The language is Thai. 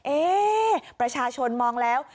เอ๊ะประชาชนมองแล้ว